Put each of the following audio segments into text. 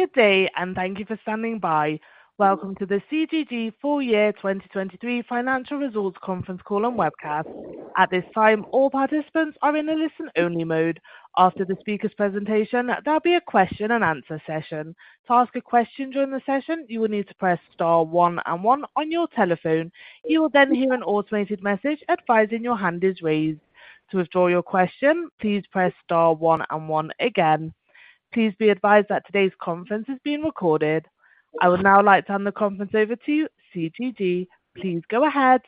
Good day and thank you for standing by. Welcome to the CGG Full Year 2023 Financial Results Conference Call and Webcast. At this time, all participants are in a listen-only mode. After the speaker's presentation, there'll be a question-and-answer session. To ask a question during the session, you will need to press star one and one on your telephone. You will then hear an automated message advising your hand is raised. To withdraw your question, please press star one and one again. Please be advised that today's conference is being recorded. I would now like to hand the conference over to CGG. Please go ahead.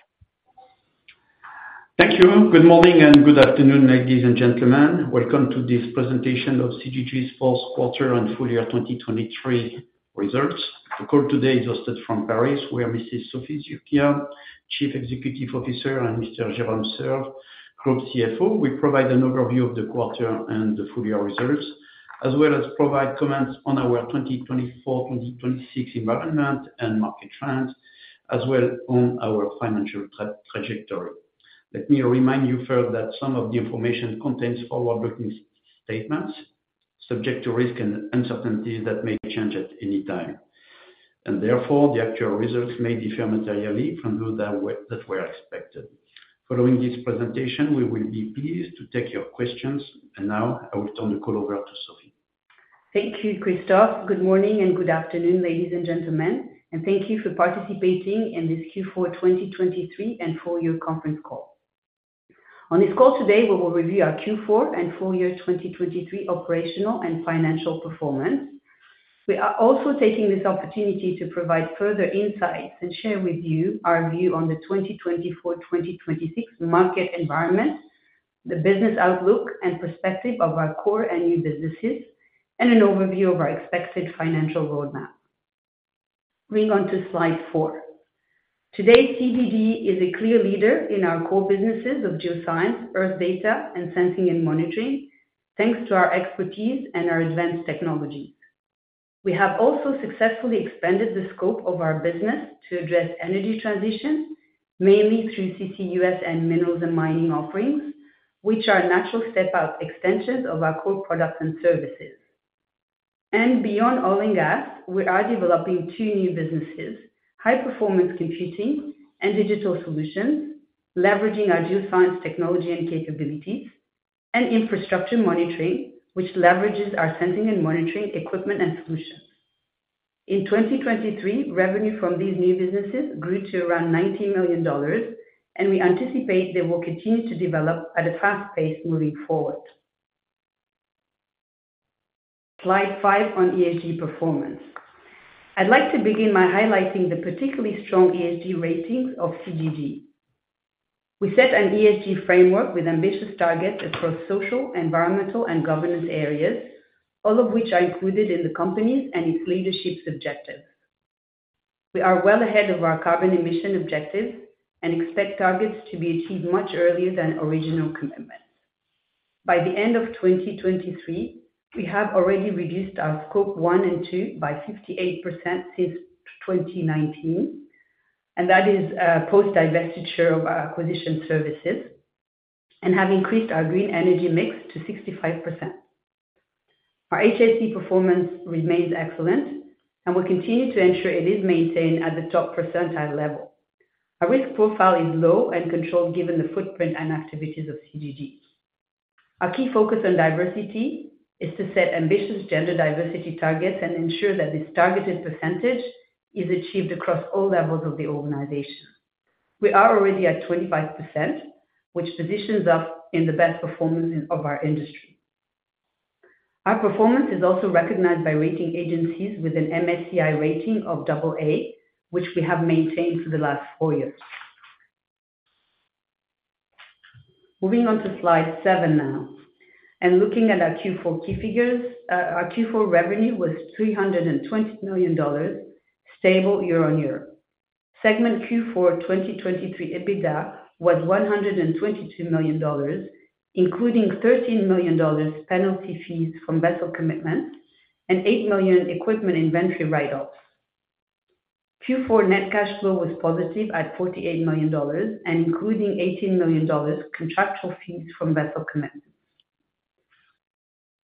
Thank you. Good morning, and good afternoon, ladies and gentlemen. Welcome to this presentation of CGG's fourth quarter and full year 2023 results. The call today is hosted from Paris, where Mrs. Sophie Zurquiyah, Chief Executive Officer, and Mr. Jérôme Salle, Group CFO, will provide an overview of the quarter and the full year results, as well as provide comments on our 2024/2026 environment and market trends, as well as on our financial trajectory. Let me remind you first that some of the information contains forward-looking statements subject to risks and uncertainties that may change at any time, and therefore, the actual results may differ materially from those that were expected. Following this presentation, we will be pleased to take your questions, and now I will turn the call over to Sophie. Thank you, Christophe. Good morning, and good afternoon, ladies and gentlemen, and thank you for participating in this Q4 2023 and full year 2023 conference call. On this call today, we will review our Q4 and full year 2023 operational and financial performance. We are also taking this opportunity to provide further insights and share with you our view on the 2024/2026 market environment, the business outlook and perspective of our core and new businesses, and an overview of our expected financial roadmap. Moving on to slide 4. Today, CGG is a clear leader in our core businesses of Geoscience, Earth Data, and Sensing and Monitoring, thanks to our expertise and our advanced technology. We have also successfully expanded the scope of our business to address energy transition, mainly through CCUS and Minerals and Mining offerings, which are natural step-out extensions of our core products and services. Beyond oil and gas, we are developing two new businesses: high-performance computing and digital solutions, leveraging our geoscience technology and capabilities, and infrastructure monitoring, which leverages our sensing and monitoring equipment and solutions. In 2023, revenue from these new businesses grew to around $90 million, and we anticipate they will continue to develop at a fast pace moving forward. Slide 5 on ESG performance. I'd like to begin by highlighting the particularly strong ESG ratings of CGG. We set an ESG framework with ambitious targets across social, environmental, and governance areas, all of which are included in the company's and its leadership's objectives. We are well ahead of our carbon emission objectives and expect targets to be achieved much earlier than original commitments. By the end of 2023, we have already reduced our Scope 1 and 2 by 58% since 2019, and that is post-divestiture of our acquisition services, and have increased our green energy mix to 65%. Our HSE performance remains excellent, and we continue to ensure it is maintained at the top percentile level. Our risk profile is low and controlled, given the footprint and activities of CGG. Our key focus on diversity is to set ambitious gender diversity targets and ensure that this targeted percentage is achieved across all levels of the organization. We are already at 25%, which positions us in the best performance of our industry. Our performance is also recognized by rating agencies with an MSCI rating of AA, which we have maintained for the last four years. Moving on to slide seven now, and looking at our Q4 key figures. Our Q4 revenue was $320 million, stable year-over-year. Segment Q4 2023 EBITDA was $122 million, including $13 million penalty fees from vessel commitments and $8 million equipment inventory write-offs. Q4 net cash flow was positive at $48 million and including $18 million contractual fees from vessel commitments.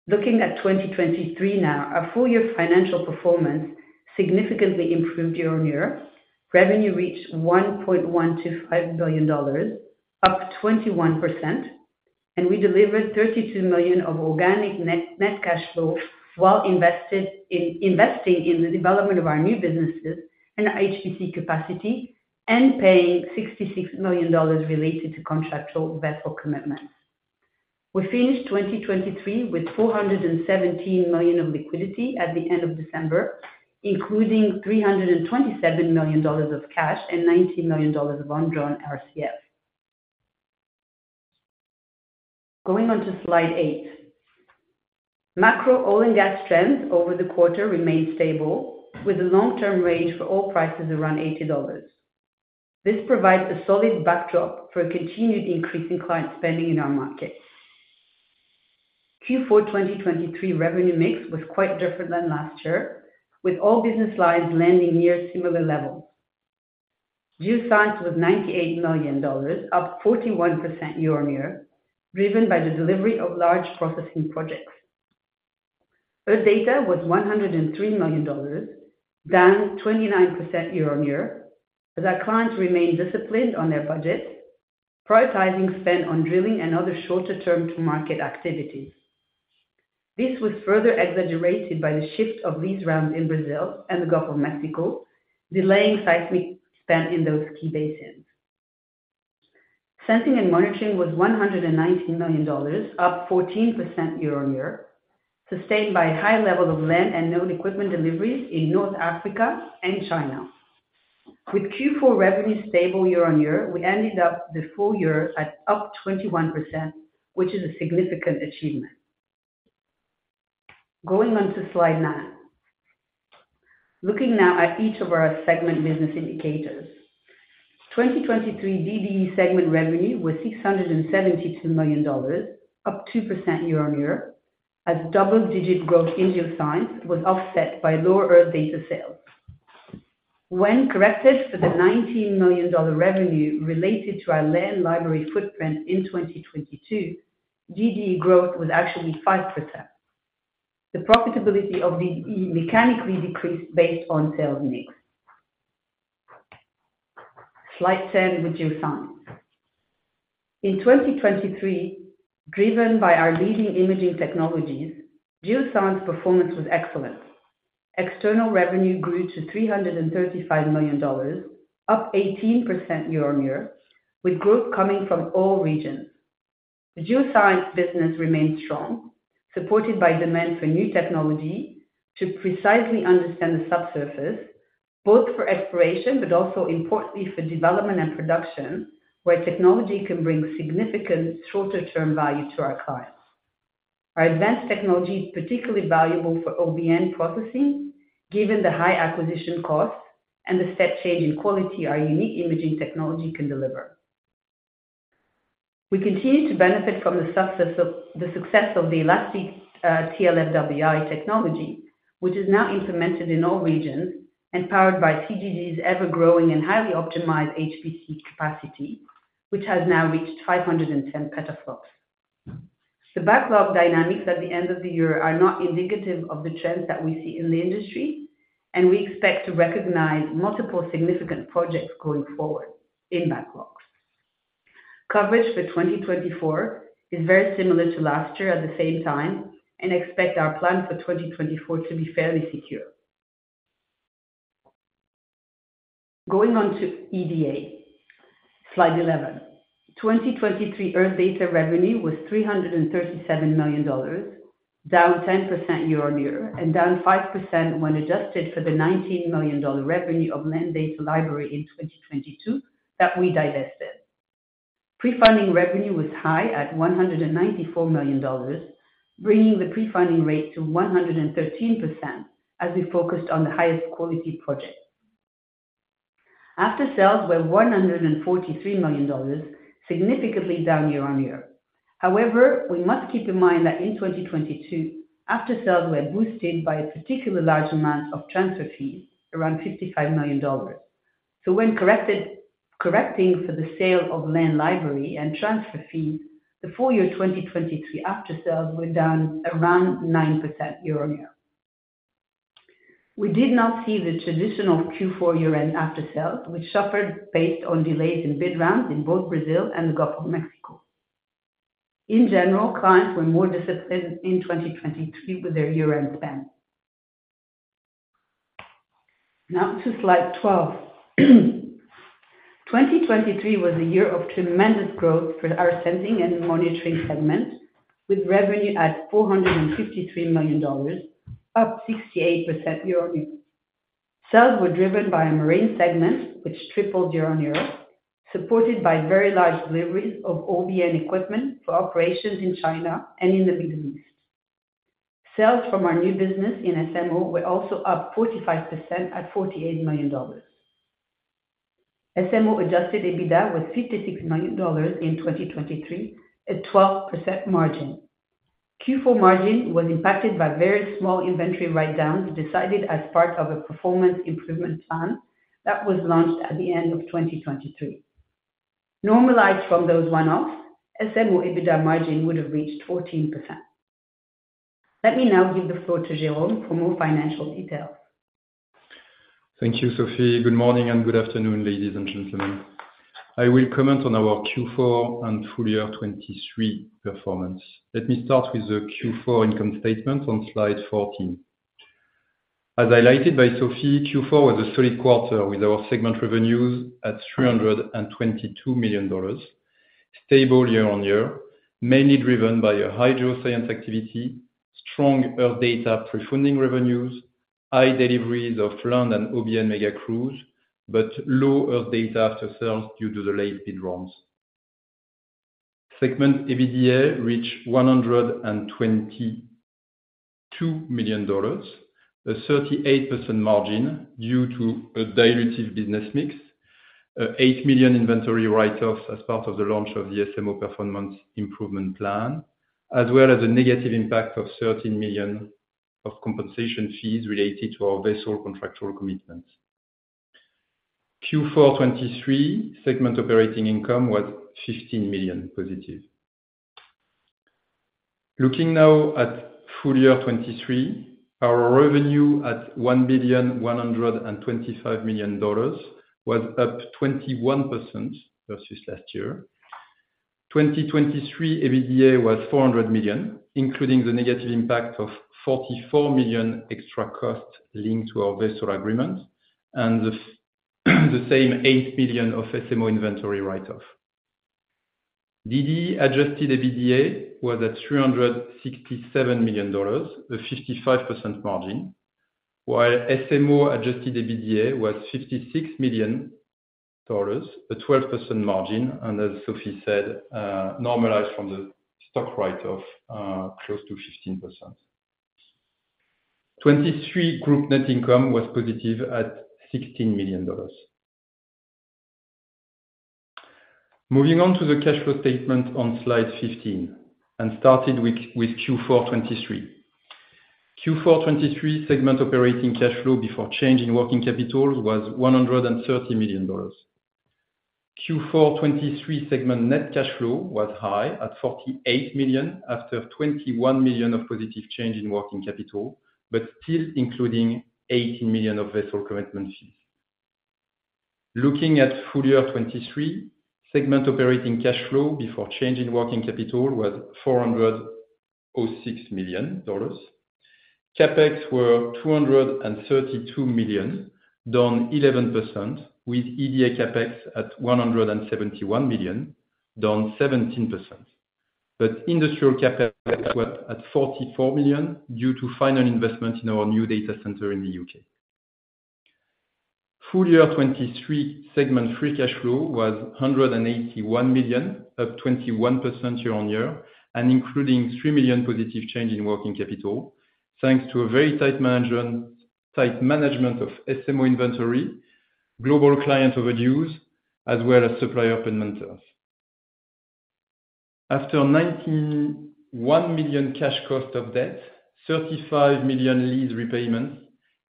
Looking at 2023 now, our full year financial performance significantly improved year-over-year. Revenue reached $1.125 billion, up 21%, and we delivered $32 million of organic net, net cash flow while investing in the development of our new businesses and HPC capacity and paying $66 million related to contractual vessel commitments. We finished 2023 with $417 million of liquidity at the end of December, including $327 million of cash and $90 million of undrawn RCF. Going on to slide 8. Macro oil and gas trends over the quarter remained stable, with a long-term range for oil prices around $80. This provides a solid backdrop for a continued increase in client spending in our markets. Q4 2023 revenue mix was quite different than last year, with all business lines landing near similar levels. Geoscience was $98 million, up 41% year-on-year, driven by the delivery of large processing projects. Earth Data was $103 million, down 29% year-on-year, as our clients remained disciplined on their budget, prioritizing spend on drilling and other shorter-term to market activities. This was further exaggerated by the shift of lease rounds in Brazil and the Gulf of Mexico, delaying seismic spend in those key basins. Sensing and Monitoring was $119 million, up 14% year-on-year, sustained by high levels of land and node equipment deliveries in North Africa and China. With Q4 revenue stable year-on-year, we ended up the full year at up 21%, which is a significant achievement. Going on to slide 9. Looking now at each of our segment business indicators. 2023 DDE segment revenue was $672 million, up 2% year-on-year, as double-digit growth in Geoscience was offset by lower Earth Data sales. When corrected for the $19 million revenue related to our land library footprint in 2022, DDE growth was actually 5%. The profitability of DDE mechanically decreased based on sales mix. Slide 10, with Geoscience. In 2023, driven by our leading imaging technologies, Geoscience performance was excellent. External revenue grew to $335 million, up 18% year-on-year, with growth coming from all regions. The Geoscience business remained strong, supported by demand for new technology to precisely understand the subsurface, both for exploration but also importantly for development and production, where technology can bring significant shorter-term value to our clients. Our advanced technology is particularly valuable for OBN processing, given the high acquisition costs and the step change in quality our unique imaging technology can deliver. We continue to benefit from the success of, the success of the elastic TLFWI technology, which is now implemented in all regions and powered by CGG's ever-growing and highly optimized HPC capacity, which has now reached 510 petaflops. The backlog dynamics at the end of the year are not indicative of the trends that we see in the industry, and we expect to recognize multiple significant projects going forward in backlogs. Coverage for 2024 is very similar to last year at the same time and expect our plan for 2024 to be fairly secure. Going on to EDA, slide 11. 2023 Earth Data revenue was $337 million, down 10% year-on-year, and down 5% when adjusted for the $19 million revenue of Land Data Library in 2022 that we divested. Prefunding revenue was high at $194 million, bringing the prefunding rate to 113%, as we focused on the highest quality projects. After-sales were $143 million, significantly down year-on-year. However, we must keep in mind that in 2022, after-sales were boosted by a particularly large amount of transfer fees, around $55 million. So, when correcting for the sale of Land Library and transfer fees, the full year 2023 after sales were down around 9% year-on-year. We did not see the traditional Q4 year-end after sales, which suffered based on delays in bid rounds in both Brazil and the Gulf of Mexico. In general, clients were more disciplined in 2023 with their year-end spend. Now to slide 12. 2023 was a year of tremendous growth for our Sensing and Monitoring segment, with revenue at $453 million, up 68% year-on-year. Sales were driven by a marine segment, which tripled year-on-year, supported by very large deliveries of OBN equipment for operations in China and in the Middle East. Sales from our new business in SMO were also up 45% at $48 million. SMO adjusted EBITDA was $56 million in 2023, a 12% margin. Q4 margin was impacted by very small inventory write-downs, decided as part of a performance improvement plan that was launched at the end of 2023. Normalized from those one-offs, SMO EBITDA margin would have reached 14%. Let me now give the floor to Jérôme for more financial details. Thank you, Sophie. Good morning, and good afternoon, ladies and gentlemen. I will comment on our Q4 and full year 2023 performance. Let me start with the Q4 income statement on slide 14. As highlighted by Sophie, Q4 was a solid quarter with our segment revenues at $322 million, stable year-on-year, mainly driven by a high geoscience activity, strong Earth Data prefunding revenues, high deliveries of land and OBN mega crews, but low Earth Data aftersales due to the late bid rounds. Segment EBITDA reached $122 million, a 38% margin due to a dilutive business mix, $8 million inventory write-offs as part of the launch of the SMO performance improvement plan, as well as a negative impact of $13 million of compensation fees related to our vessel contractual commitments. Q4 2023 segment operating income was $15 million positive. Looking now at full year 2023, our revenue at $1,125 million was up 21% versus last year. 2023 EBITDA was $400 million, including the negative impact of $44 million extra costs linked to our vessel agreement and the same $8 million of SMO inventory write-off. DD adjusted EBITDA was at $367 million, a 55% margin, while SMO adjusted EBITDA was $56 million, a 12% margin, and as Sophie said, normalized from the stock write-off, close to 15%. 2023 group net income was positive at $16 million. Moving on to the cash flow statement on slide 15 and starting with Q4 2023. Q4 2023 segment operating cash flow before change in working capital was $130 million. Q4 2023 segment net cash flow was high at $48 million, after $21 million of positive change in working capital, but still including $18 million of vessel commitment fees. Looking at full year 2023, segment operating cash flow before change in working capital was $406 million. CapEx was $232 million, down 11%, with EDA CapEx at $171 million, down 17%. But industrial CapEx was at $44 million, due to final investment in our new data center in the U.K. Full year 2023 segment free cash flow was $181 million, up 21% year-on-year, and including $3 million positive change in working capital, thanks to a very tight management of SMO inventory, global client overdue, as well as supplier payment terms. After $91 million cash cost of debt, $35 million lease repayments,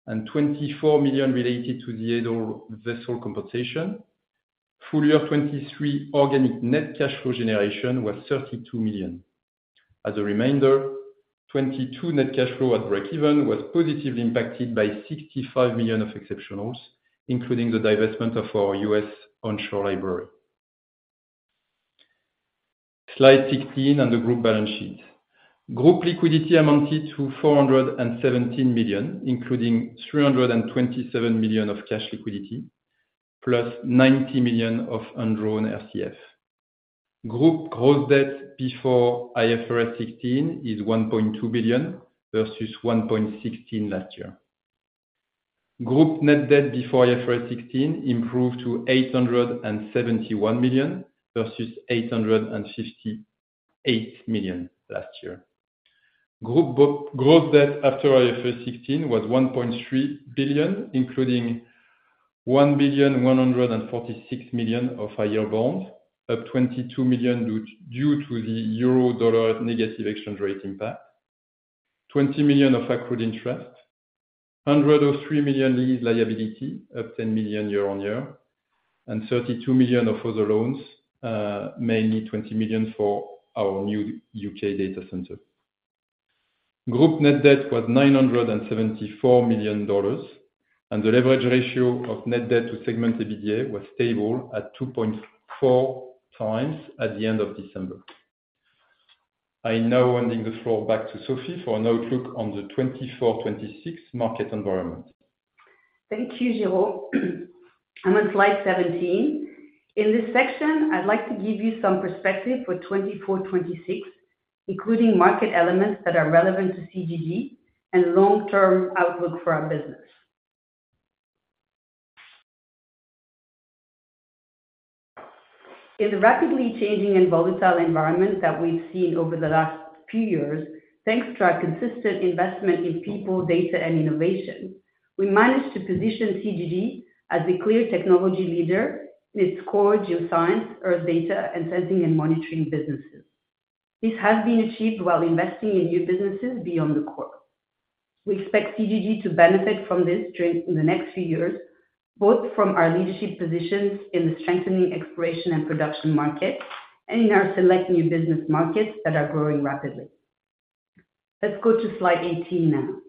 and $24 million related to the idle vessel compensation, full year 2023 organic net cash flow generation was $32 million. As a reminder, 2022 net cash flow at breakeven was positively impacted by $65 million of exceptionals, including the divestment of our U.S. onshore library. Slide 16 on the group balance sheet. Group liquidity amounted to $417 million, including $327 million of cash liquidity, plus $90 million of undrawn RCF. Group gross debt before IFRS 16 is $1.2 billion, versus $1.16 billion last year. Group net debt before IFRS 16 improved to $871 million versus $858 million last year. Group gross debt after IFRS 16 was $1.3 billion, including $1.146 billion of higher bonds, up $22 million due to the euro dollar negative exchange rate impact. $20 million of accrued interest, $103 million lease liability, up $10 million year-on-year, and $32 million of other loans, mainly $20 million for our new UK data center. Group net debt was $974 million, and the leverage ratio of net debt to segment EBITDA was stable at 2.4 times at the end of December. I now handing the floor back to Sophie for an outlook on the 2024/2026 market environment. Thank you, Jérôme. On slide 17. In this section, I'd like to give you some perspective for 2024/2026, including market elements that are relevant to CGG and long-term outlook for our business. In the rapidly changing and volatile environment that we've seen over the last few years, thanks to our consistent investment in people, data, and innovation, we managed to position CGG as the clear technology leader in its core Geoscience or data and Sensing and Monitoring businesses. This has been achieved while investing in new businesses beyond the core. We expect CGG to benefit from this during the next few years, both from our leadership positions in the strengthening exploration and production market, and in our select new business markets that are growing rapidly. Let's go to slide 18 now.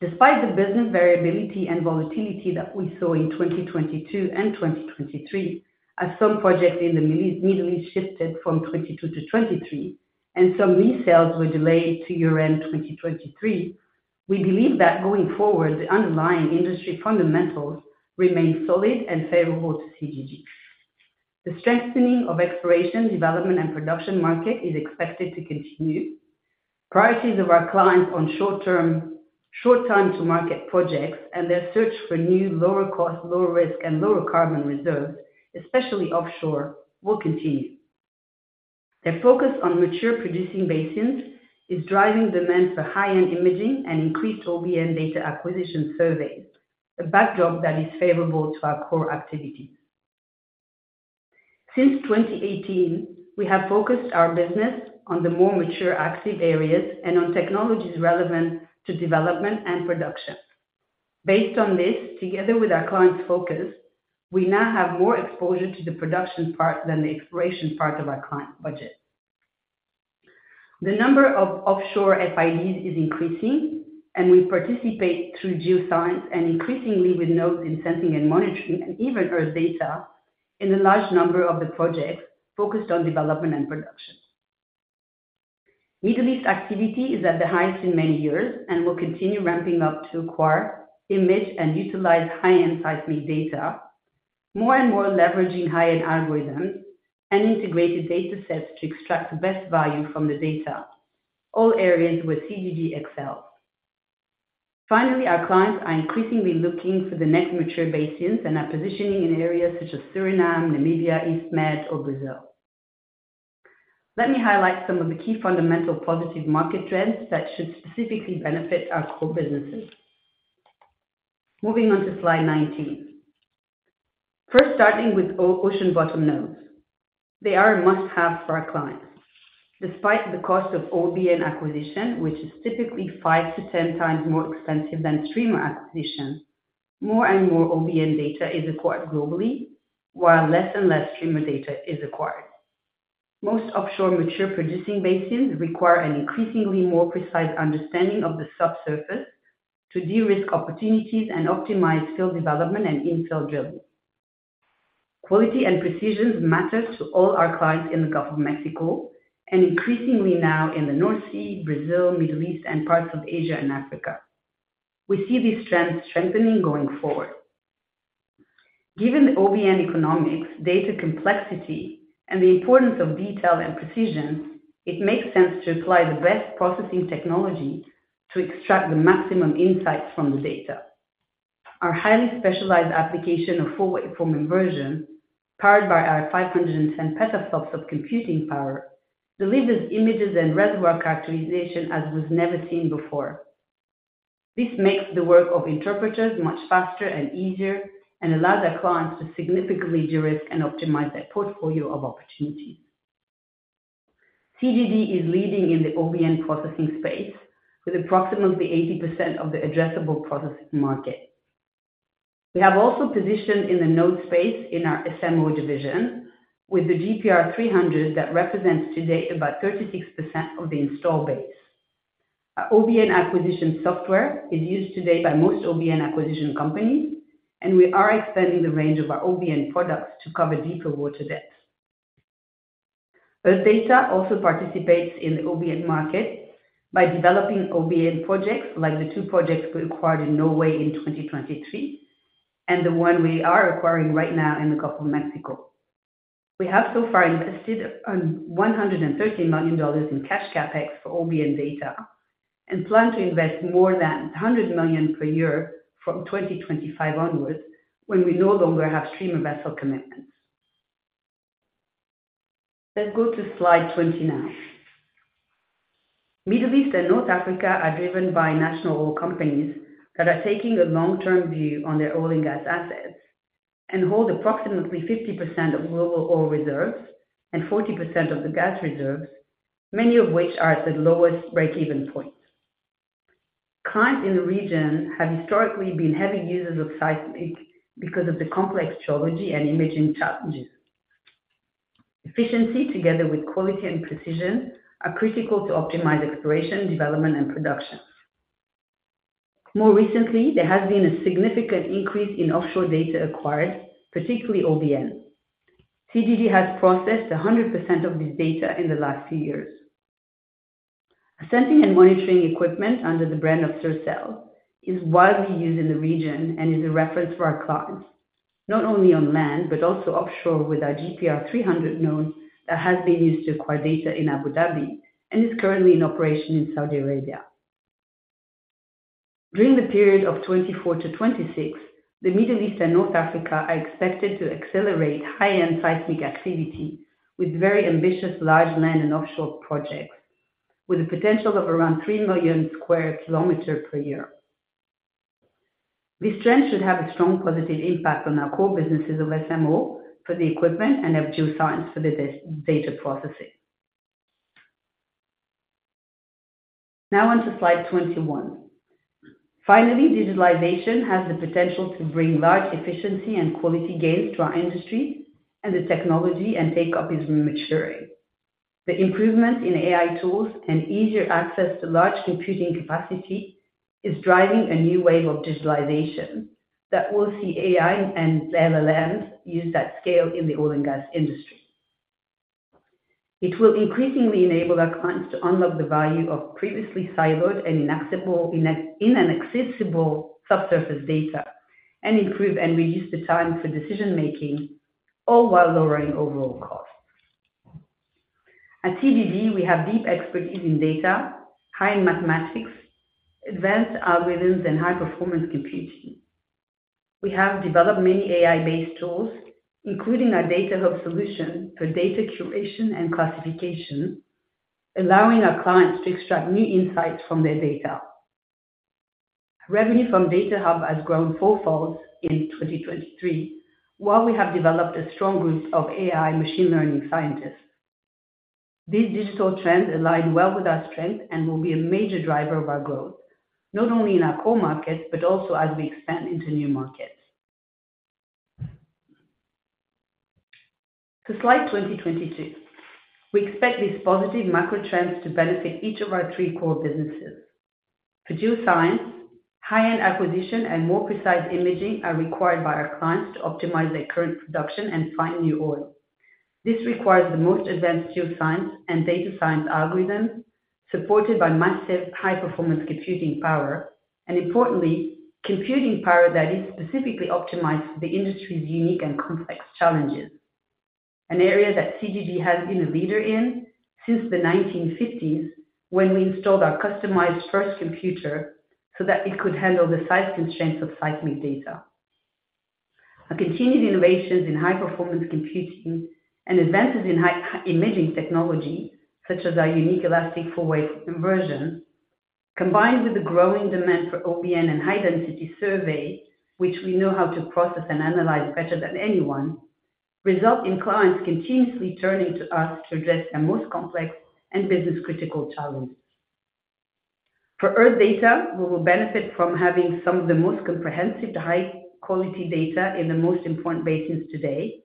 Despite the business variability and volatility that we saw in 2022 and 2023, as some projects in the Middle East shifted from 2022 to 2023, and some resales were delayed to year-end 2023, we believe that going forward, the underlying industry fundamentals remain solid and favorable to CGG. The strengthening of exploration, development, and production market is expected to continue. Priorities of our clients on short-term - short time to market projects and their search for new, lower cost, lower risk, and lower carbon reserves, especially offshore, will continue. Their focus on mature producing basins is driving demand for high-end imaging and increased OBN data acquisition surveys, a backdrop that is favorable to our core activity. Since 2018, we have focused our business on the more mature active areas and on technologies relevant to development and production. Based on this, together with our clients' focus, we now have more exposure to the production part than the exploration part of our client budget. The number of offshore FIDs is increasing, and we participate through Geoscience and increasingly with nodes in Sensing and Monitoring, and even Earth Data, in a large number of the projects focused on development and production. Middle East activity is at the highest in many years and will continue ramping up to acquire, image, and utilize high-end seismic data, more and more leveraging high-end algorithms and integrated data sets to extract the best value from the data, all areas where CGG excels. Finally, our clients are increasingly looking for the next mature basins and are positioning in areas such as Suriname, Namibia, East Med, or Brazil. Let me highlight some of the key fundamental positive market trends that should specifically benefit our core businesses. Moving on to slide 19. First, starting with OBN, Ocean Bottom Nodes. They are a must-have for our clients. Despite the cost of OBN acquisition, which is typically 5-10 times more expensive than streamer acquisition, more and more OBN data is acquired globally, while less and less streamer data is acquired. Most offshore mature producing basins require an increasingly more precise understanding of the subsurface to de-risk opportunities and optimize field development and infill drilling. Quality and precision matters to all our clients in the Gulf of Mexico, and increasingly now in the North Sea, Brazil, Middle East, and parts of Asia and Africa. We see this trend strengthening going forward. Given the OBN economics, data complexity, and the importance of detail and precision, it makes sense to apply the best processing technology to extract the maximum insights from the data. Our highly specialized application of full-waveform inversion, powered by our 510 petaflops of computing power, delivers images and reservoir characterization as was never seen before. This makes the work of interpreters much faster and easier and allows our clients to significantly de-risk and optimize their portfolio of opportunities. CGG is leading in the OBN processing space with approximately 80% of the addressable processing market. We have also positioned in the node space in our SMO division with the GPR300 that represents today about 36% of the install base. Our OBN acquisition software is used today by most OBN acquisition companies, and we are expanding the range of our OBN products to cover deeper water depths. Earth Data also participates in the OBN market by developing OBN projects like the two projects we acquired in Norway in 2023, and the one we are acquiring right now in the Gulf of Mexico. We have so far invested $113 million in cash CapEx for OBN data and plan to invest more than $100 million per year from 2025 onwards, when we no longer have streamer vessel commitments. Let's go to slide 20 now. Middle East and North Africa are driven by national oil companies that are taking a long-term view on their oil and gas assets and hold approximately 50% of global oil reserves and 40% of the gas reserves, many of which are at the lowest breakeven points. Clients in the region have historically been heavy users of seismic because of the complex geology and imaging challenges. Efficiency, together with quality and precision, are critical to optimize exploration, development, and production. More recently, there has been a significant increase in offshore data acquired, particularly OBN. CGG has processed 100% of this data in the last few years. Sensing and Monitoring equipment under the brand of Sercel is widely used in the region and is a reference for our clients, not only on land, but also offshore with our GPR300 node that has been used to acquire data in Abu Dhabi and is currently in operation in Saudi Arabia. During the period of 2024-2026, the Middle East and North Africa are expected to accelerate high-end seismic activity with very ambitious large land and offshore projects, with a potential of around 3 million square kilometers per year. This trend should have a strong positive impact on our core businesses of SMO for the equipment and of Geoscience for the data processing. Now on to slide 21. Finally, digitalization has the potential to bring large efficiency and quality gains to our industry, and the technology and take-up is maturing. The improvement in AI tools and easier access to large computing capacity is driving a new wave of digitalization that will see AI and LLMs used at scale in the oil and gas industry. It will increasingly enable our clients to unlock the value of previously siloed and inaccessible subsurface data and improve and reduce the time for decision-making, all while lowering overall costs. At CGG, we have deep expertise in data, high-end mathematics, advanced algorithms, and high-performance computing. We have developed many AI-based tools, including our Data Hub solution for data curation and classification, allowing our clients to extract new insights from their data... Revenue from Data Hub has grown fourfold in 2023, while we have developed a strong group of AI machine learning scientists. These digital trends align well with our strength and will be a major driver of our growth, not only in our core markets, but also as we expand into new markets. To slide 22, we expect these positive macro trends to benefit each of our three core businesses. For Geoscience, high-end acquisition and more precise imaging are required by our clients to optimize their current production and find new oil. This requires the most advanced geoscience and data science algorithms, supported by massive high-performance computing power, and importantly, computing power that is specifically optimized for the industry's unique and complex challenges. An area that CGG has been a leader in since the 1950s, when we installed our customized first computer so that it could handle the size constraints of seismic data. Our continued innovations in high-performance computing and advances in high-end imaging technology, such as our unique elastic full-wave inversion, combined with the growing demand for OBN and high-density survey, which we know how to process and analyze better than anyone, result in clients continuously turning to us to address their most complex and business-critical challenges. For Earth Data, we will benefit from having some of the most comprehensive, high-quality data in the most important basins today,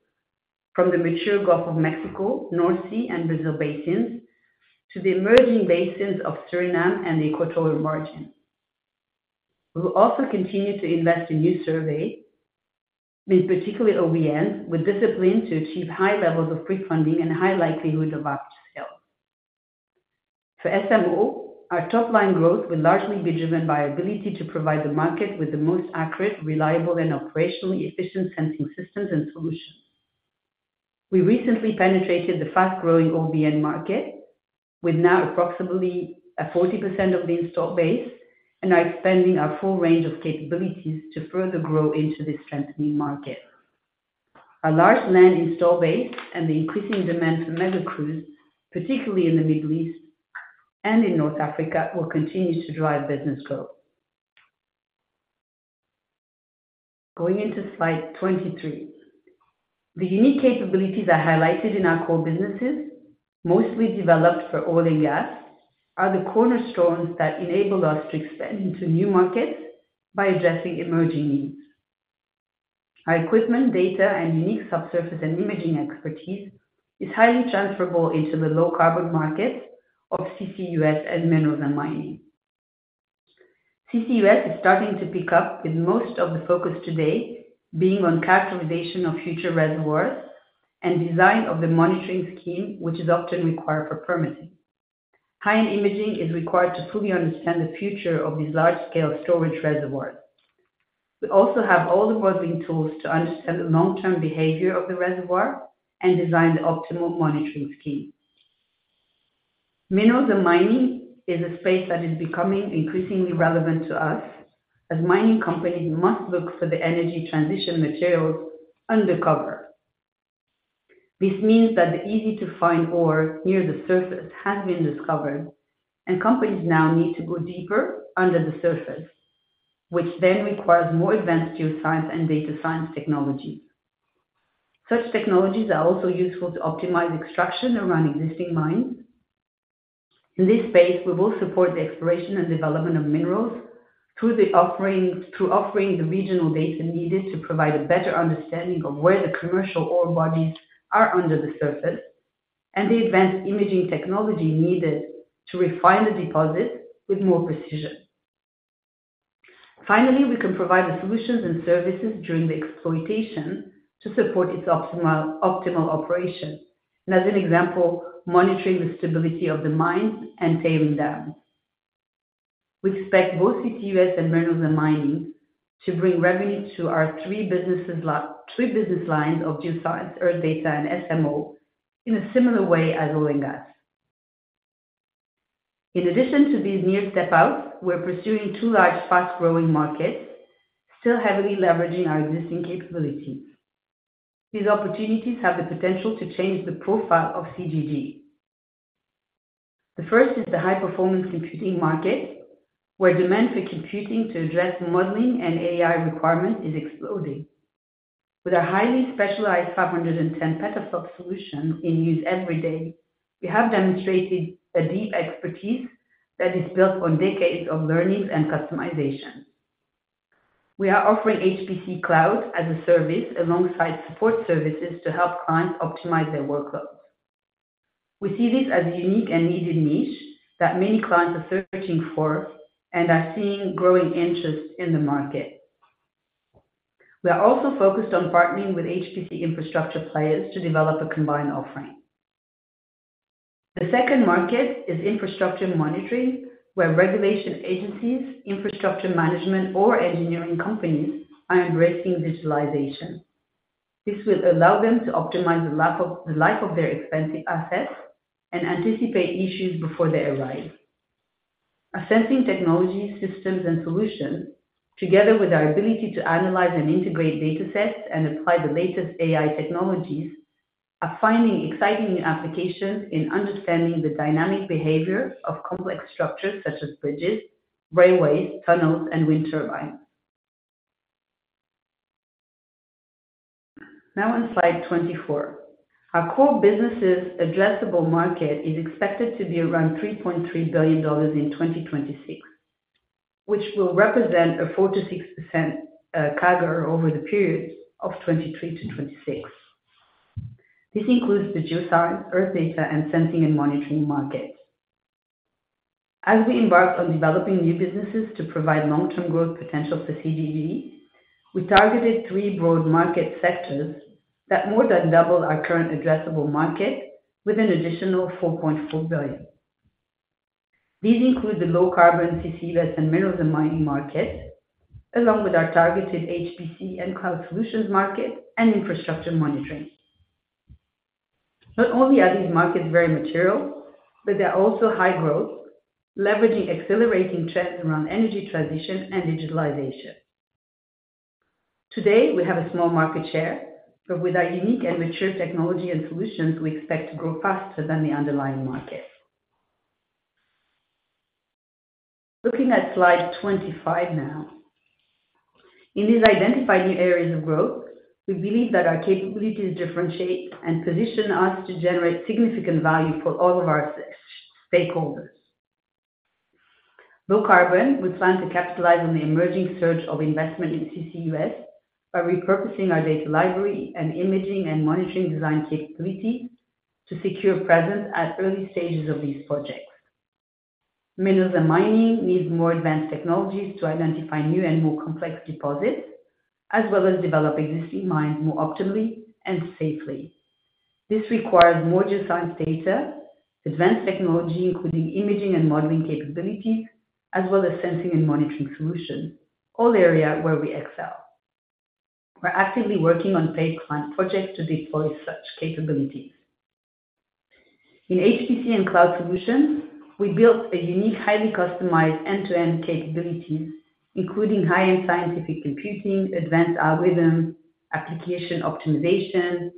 from the mature Gulf of Mexico, North Sea, and Brazil basins to the emerging basins of Suriname and the Equatorial Margin. We will also continue to invest in new survey, in particular OBN, with discipline to achieve high levels of prefunding and a high likelihood of upscale. For SMO, our top-line growth will largely be driven by ability to provide the market with the most accurate, reliable, and operationally efficient sensing systems and solutions. We recently penetrated the fast-growing OBN market with now approximately 40% of the installed base and are expanding our full range of capabilities to further grow into this strengthening market. Our large land installed base and the increasing demand for mega crews, particularly in the Middle East and in North Africa, will continue to drive business growth. Going into slide 23. The unique capabilities are highlighted in our core businesses, mostly developed for oil and gas, are the cornerstones that enable us to expand into new markets by addressing emerging needs. Our equipment, data, and unique subsurface and imaging expertise is highly transferable into the low-carbon markets of CCUS and Minerals and Mining. CCUS is starting to pick up, with most of the focus today being on characterization of future reservoirs and design of the monitoring scheme, which is often required for permitting. High-end imaging is required to fully understand the future of these large-scale storage reservoirs. We also have all the modeling tools to understand the long-term behavior of the reservoir and design the optimal monitoring scheme. Minerals and Mining is a space that is becoming increasingly relevant to us, as mining companies must look for the energy transition materials undercover. This means that the easy-to-find ore near the surface has been discovered, and companies now need to go deeper under the surface, which then requires more advanced geoscience and data science technology. Such technologies are also useful to optimize extraction around existing mines. In this space, we will support the exploration and development of minerals through offering the regional data needed to provide a better understanding of where the commercial ore bodies are under the surface, and the advanced imaging technology needed to refine the deposit with more precision. Finally, we can provide the solutions and services during the exploitation to support its optimal, optimal operation, and as an example, monitoring the stability of the mines and tailing dams. We expect both CCUS and minerals and mining to bring revenue to our three business lines of Geoscience, Earth Data, and SMO in a similar way as oil and gas. In addition to these near step-outs, we're pursuing two large, fast-growing markets, still heavily leveraging our existing capabilities. These opportunities have the potential to change the profile of CGG. The first is the high-performance computing market, where demand for computing to address modeling and AI requirement is exploding. With our highly specialized 510 petaflop solution in use every day, we have demonstrated a deep expertise that is built on decades of learnings and customization. We are offering HPC cloud as a service, alongside support services to help clients optimize their workloads. We see this as a unique and needed niche that many clients are searching for and are seeing growing interest in the market. We are also focused on partnering with HPC infrastructure players to develop a combined offering. The second market is infrastructure monitoring, where regulation agencies, infrastructure management, or engineering companies are embracing digitalization. This will allow them to optimize the life of, the life of their expensive assets and anticipate issues before they arrive. Assessing technology, systems, and solutions, together with our ability to analyze and integrate datasets and apply the latest AI technologies are finding exciting new applications in understanding the dynamic behaviors of complex structures such as bridges, railways, tunnels, and wind turbines. Now on slide 24. Our core business's addressable market is expected to be around $3.3 billion in 2026, which will represent a 4%-6% CAGR over the period of 2023-2026. This includes the Geoscience, Earth Data, and Sensing and Monitoring market. As we embark on developing new businesses to provide long-term growth potential for CGG, we targeted three broad market sectors that more than double our current addressable market with an additional $4.4 billion. These include the low carbon CCUS and minerals and mining market, along with our targeted HPC and cloud solutions market, and infrastructure monitoring. Not only are these markets very material, but they're also high growth, leveraging accelerating trends around energy transition and digitalization. Today, we have a small market share, but with our unique and mature technology and solutions, we expect to grow faster than the underlying market. Looking at slide 25 now. In these identified new areas of growth, we believe that our capabilities differentiate and position us to generate significant value for all of our stakeholders. Low carbon, we plan to capitalize on the emerging surge of investment in CCUS by repurposing our data library and imaging and monitoring design capabilities to secure presence at early stages of these projects. Minerals and Mining needs more advanced technologies to identify new and more complex deposits, as well as develop existing mines more optimally and safely. This requires more geoscience data, advanced technology, including imaging and modeling capabilities, as well as sensing and monitoring solutions, all areas where we excel. We're actively working on paid client projects to deploy such capabilities. In HPC and cloud solutions, we built a unique, highly customized end-to-end capabilities, including high-end scientific computing, advanced algorithms, application optimization,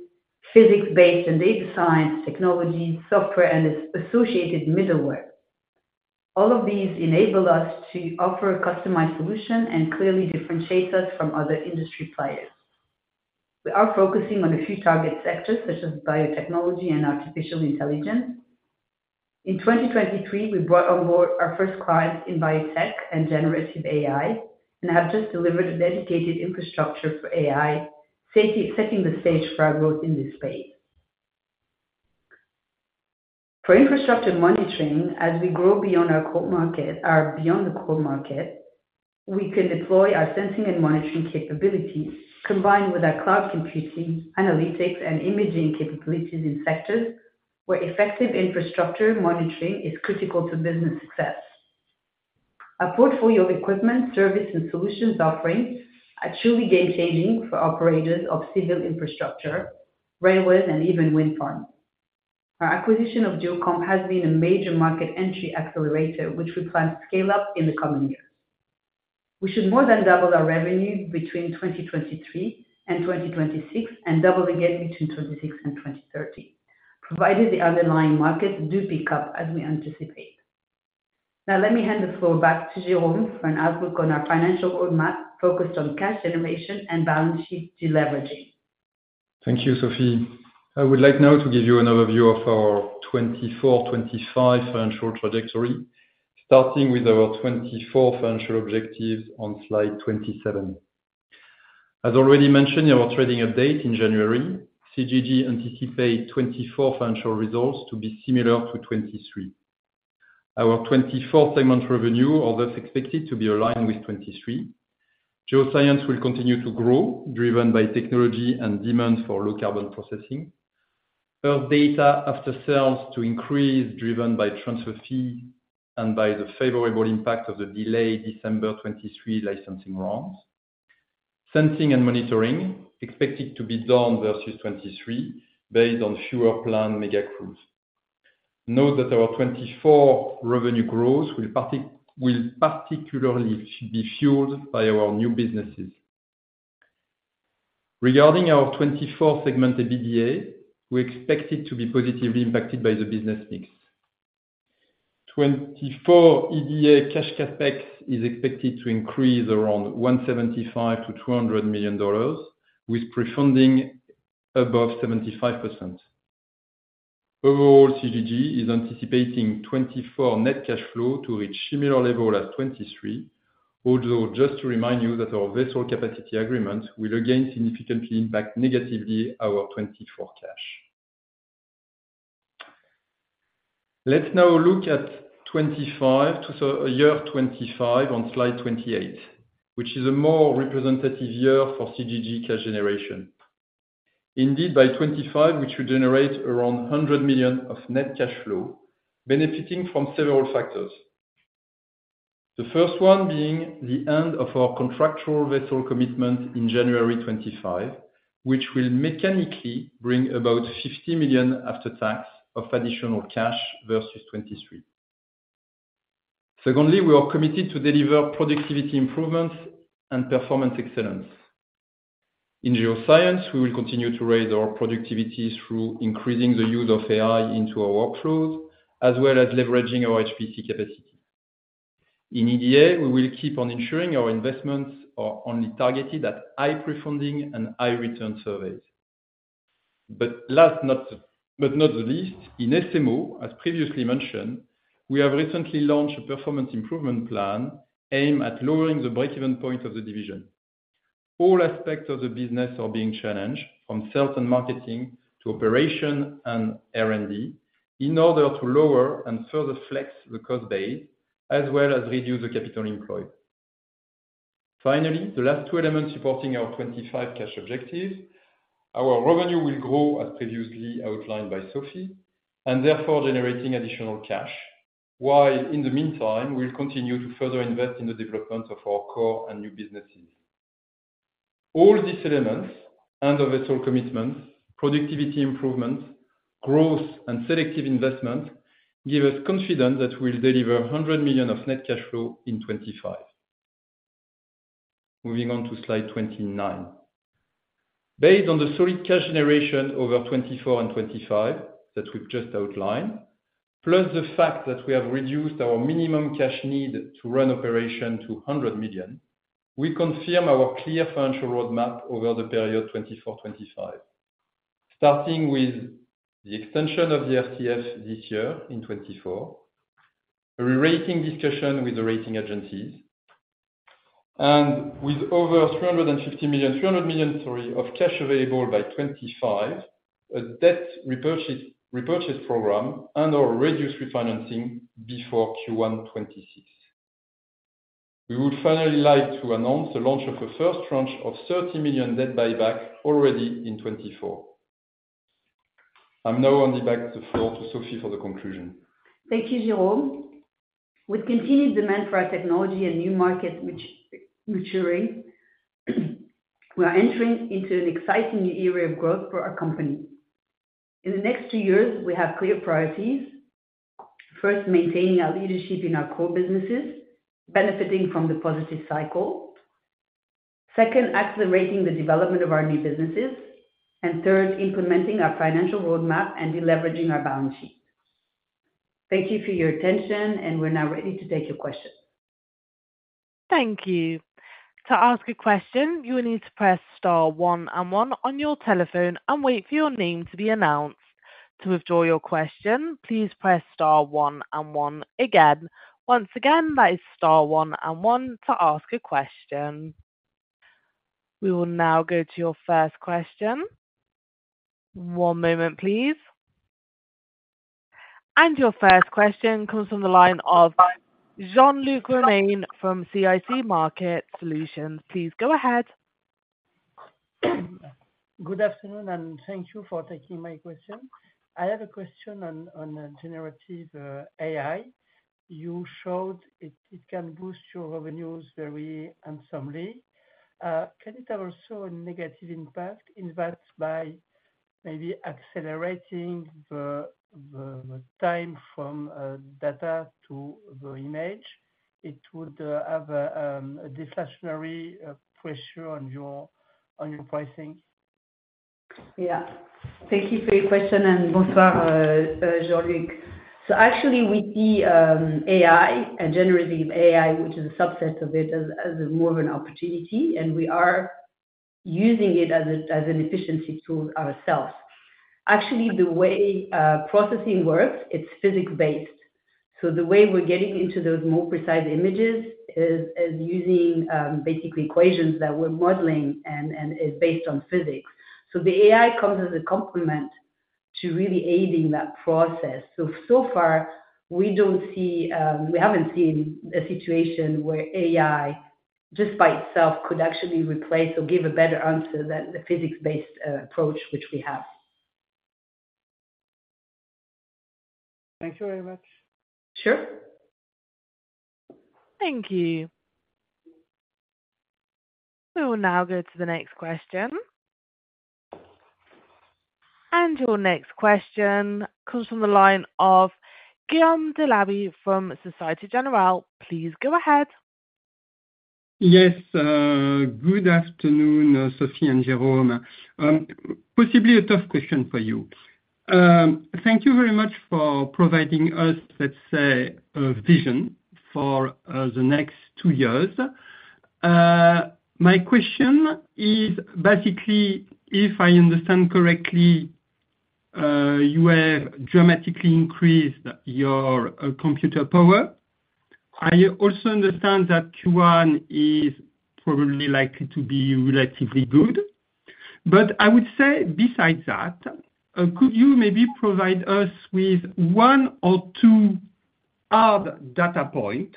physics-based and data science technologies, software, and associated middleware. All of these enable us to offer a customized solution and clearly differentiates us from other industry players. We are focusing on a few target sectors, such as biotechnology and artificial intelligence. In 2023, we brought on board our first clients in biotech and generative AI and have just delivered a dedicated infrastructure for AI safety, setting the stage for our growth in this space. For infrastructure and monitoring, as we grow beyond our core market, beyond the core market, we can deploy our sensing and monitoring capabilities, combined with our cloud computing, analytics, and imaging capabilities in sectors where effective infrastructure monitoring is critical to business success. Our portfolio of equipment, service, and solutions offerings are truly game-changing for operators of civil infrastructure, railways, and even wind farms. Our acquisition of Geocomp has been a major market entry accelerator, which we plan to scale up in the coming years. We should more than double our revenue between 2023 and 2026, and double again between 2026 and 2030, provided the underlying markets do pick up, as we anticipate. Now, let me hand the floor back to Jérôme for an outlook on our financial roadmap focused on cash generation and balance sheet deleveraging. Thank you, Sophie. I would like now to give you an overview of our 2024, 2025 financial trajectory, starting with our 2024 financial objectives on slide 27. As already mentioned in our trading update in January, Viridien anticipates 2024 financial results to be similar to 2023. Our 2024 segment revenue are thus expected to be aligned with 2023. Geoscience will continue to grow, driven by technology and demand for low carbon processing. Earth Data after-sales to increase, driven by transfer fee and by the favorable impact of the delayed December 2023 licensing rounds. Sensing and Monitoring, expected to be down versus 2023, based on fewer planned mega crews. Note that our 2024 revenue growth will particularly be fueled by our new businesses. Regarding our 2024 segmented EBITDA, we expect it to be positively impacted by the business mix. 2024 EBITDA, cash, CapEx is expected to increase around $175 million-$200 million, with prefunding above 75%. Overall, CGG is anticipating 2024 net cash flow to reach similar level as 2023. Although, just to remind you that our vessel capacity agreement will again significantly impact negatively our 2024 cash. Let's now look at 2025 to-- so year 2025 on slide 28, which is a more representative year for CGG cash generation. Indeed, by 2025, we should generate around $100 million of net cash flow, benefiting from several factors. The first one being the end of our contractual vessel commitment in January 2025, which will mechanically bring about $50 million after tax of additional cash versus 2023.... Secondly, we are committed to deliver productivity improvements and performance excellence. In Geoscience, we will continue to raise our productivity through increasing the use of AI into our workflows, as well as leveraging our HPC capacity. In EDA, we will keep on ensuring our investments are only targeted at high prefunding and high return surveys. Last but not least, in SMO, as previously mentioned, we have recently launched a performance improvement plan aimed at lowering the break-even point of the division. All aspects of the business are being challenged, from sales and marketing to operation and R&D, in order to lower and further flex the cost base, as well as reduce the capital employed. Finally, the last two elements supporting our 25 cash objectives, our revenue will grow, as previously outlined by Sophie, and therefore generating additional cash, while in the meantime, we'll continue to further invest in the development of our core and new businesses. All these elements and of its whole commitments, productivity improvement, growth, and selective investment, give us confidence that we'll deliver $100 million of net cash flow in 2025. Moving on to slide 29. Based on the solid cash generation over 2024 and 2025 that we've just outlined, plus the fact that we have reduced our minimum cash need to run operation to $100 million, we confirm our clear financial roadmap over the period 2024/2025. Starting with the extension of the RCF this year, in 2024, a rerating discussion with the rating agencies, and with over $350 million—$300 million, sorry, of cash available by 2025, a debt repurchases program and/or reduced refinancing before Q1 2026. We would finally like to announce the launch of a first tranche of $30 million debt buyback already in 2024. I'm now handing back the floor to Sophie for the conclusion. Thank you, Jérôme. With continued demand for our technology and new markets which maturing, we are entering into an exciting new era of growth for our company. In the next two years, we have clear priorities. First, maintaining our leadership in our core businesses, benefiting from the positive cycle. Second, accelerating the development of our new businesses. Third, implementing our financial roadmap and deleveraging our balance sheet. Thank you for your attention, and we're now ready to take your questions. Thank you. To ask a question, you will need to press star one and one on your telephone and wait for your name to be announced. To withdraw your question, please press star one and one again. Once again, that is star one and one to ask a question. We will now go to your first question. One moment, please. And your first question comes from the line of Jean-Luc Romain from CIC Market Solutions. Please go ahead. Good afternoon and thank you for taking my question. I have a question on generative AI. You showed it can boost your revenues very handsomely. Can it have also a negative impact in that by maybe accelerating the time from data to the image, it would have a discretionary pressure on your pricing? Yeah. Thank you for your question, and bonsoir, Jean-Luc. So actually, we see AI and generative AI, which is a subset of it, as more of an opportunity, and we are using it as an efficiency tool ourselves. Actually, the way processing works, its physics based. So, the way we're getting into those more precise images is using basically equations that we're modeling and it's based on physics. So, the AI comes as a complement to really aiding that process. So far, we don't see, we haven't seen a situation where AI, just by itself, could actually replace or give a better answer than the physics-based approach, which we have. Thank you very much. Sure. Thank you. We will now go to the next question. Your next question comes from the line of Guillaume Delaby from Société Générale. Please go ahead. Yes. Good afternoon, Sophie and Jérôme. Possibly a tough question for you. Thank you very much for providing us, let's say, a vision for, the next two years. My question is, basically, if I understand correctly, you have dramatically increased your, computer power. I also understand that Q1 is probably likely to be relatively good. But I would say besides that, could you maybe provide us with one or two hard data point,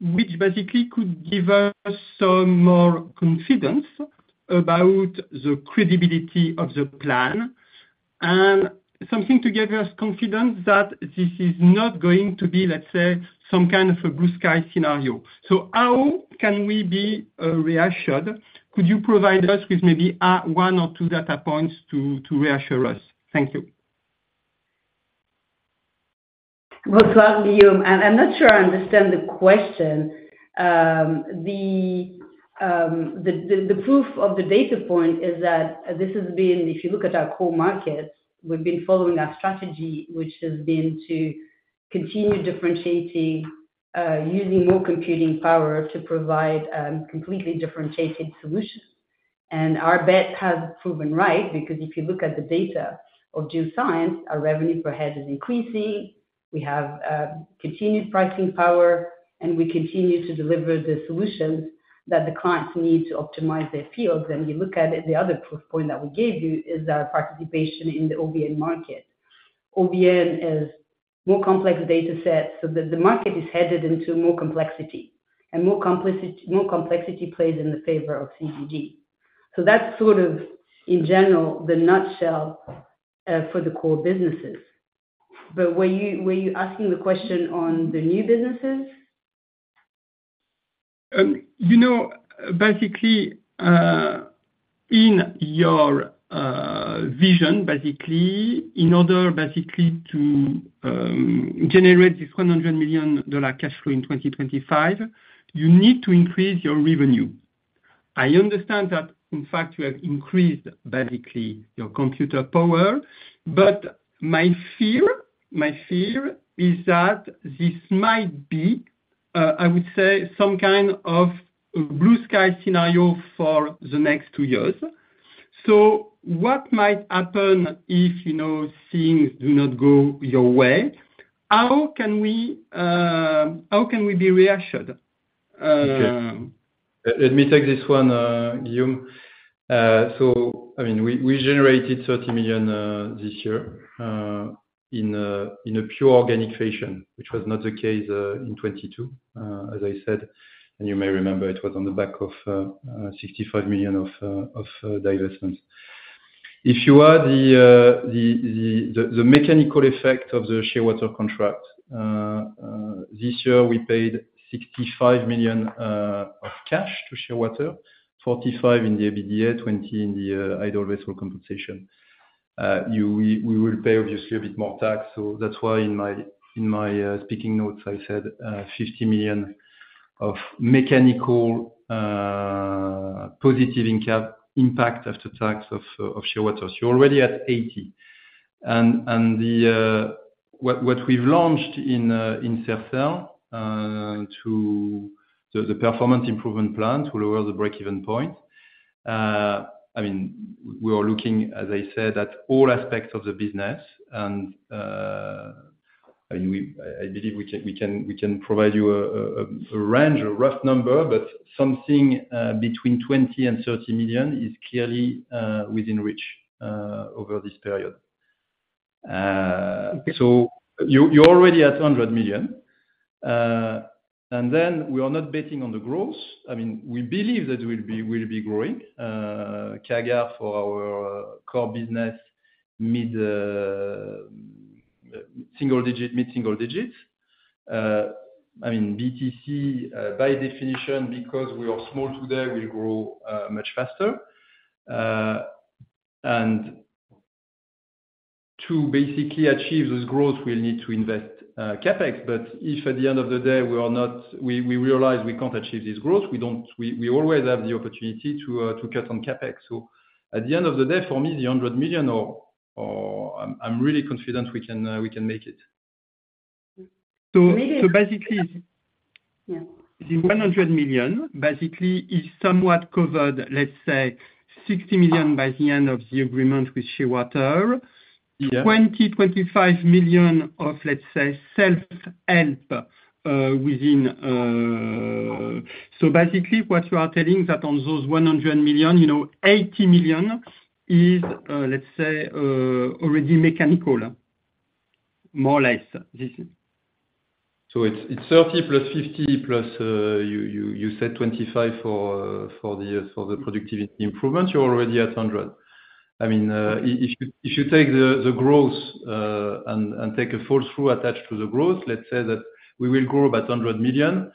which basically could give us some more confidence about the credibility of the plan, and something to give us confidence that this is not going to be, let's say, some kind of a blue-sky scenario. So how can we be, reassured? Could you provide us with maybe, one or two data points to reassure us? Thank you. Well, so, I'm not sure I understand the question. The proof of the data point is that this has been-- if you look at our core markets, we've been following our strategy, which has been to continue differentiating, using more computing power to provide, completely differentiated solutions. And our bet has proven right, because if you look at the data of Geoscience, our revenue per head is increasing, we have, continued pricing power, and we continue to deliver the solutions that the clients need to optimize their fields. Then you look at it, the other proof point that we gave you is our participation in the OBN market. OBN is more complex data sets, so the market is headed into more complexity, and more complicity- more complexity plays in the favor of CGG. So that's sort of, in general, the nutshell, for the core businesses. But were you, were you asking the question on the new businesses? You know, basically, in your vision, basically, in order basically to generate this $100 million cash flow in 2025, you need to increase your revenue. I understand that, in fact, you have increased basically your computer power, but my fear, my fear is that this might be, I would say, some kind of blue-sky scenario for the next two years. So, what might happen if, you know, things do not go your way? How can we, how can we be reassured? Okay. Let me take this one, Guillaume. So, I mean, we generated $30 million this year in a pure organic fashion, which was not the case in 2022. As I said, and you may remember, it was on the back of $65 million of divestments. If you add the mechanical effect of the Shearwater contract this year, we paid $65 million of cash to Shearwater, $45 million in the EBITDA, $20 million in the idle vessel compensation. We will pay obviously a bit more tax, so that's why in my speaking notes, I said $50 million of mechanical positive impact after tax of Shearwater. So, you're already at $80 million. What we've launched in Sercel to the performance improvement plan to lower the breakeven point, I mean, we are looking, as I said, at all aspects of the business, and I believe we can provide you a range, a rough number, but something between $20 million and $30 million is clearly within reach over this period. Okay. So, you, you're already at $100 million. And then we are not betting on the growth. I mean, we believe that we'll be, we'll be growing CAGR for our core business, mid-single digits. I mean, BTC by definition, because we are small today, we grow much faster. And to basically achieve this growth, we'll need to invest CapEx. But if at the end of the day, we are not-- we realize we can't achieve this growth, we don't-- we always have the opportunity to cut on CapEx. So, at the end of the day, for me, the $100 million or, I'm really confident we can make it. So, basically- Yeah. The $100 million basically is somewhat covered, let's say $60 million by the end of the agreement with Shearwater. Yeah. $25 million of, let's say, self-help, within. So basically, what you are telling is that on those $100 million, you know, $80 million is, let's say, already mechanical, more or less, this is? So, it's 30 plus 50, plus you said 25 for the productivity improvement, you're already at 100. I mean, if you take the growth and take a full through attach to the growth, let's say that we will grow about $100 million,